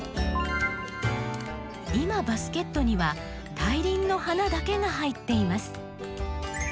今バスケットには大輪の花だけが入っています。